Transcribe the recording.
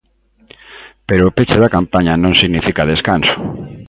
Pero o peche da campaña non significa descanso.